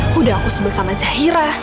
sudah aku sebut sama zahira